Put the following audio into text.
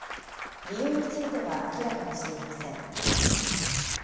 理由については明らかにしていません。